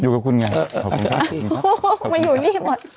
อยู่กับคุณไง